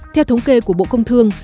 theo thống kê của bộ công thương